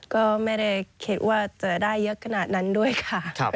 ก็ไม่ได้คิดว่าจะได้เยอะขนาดนั้นด้วยค่ะ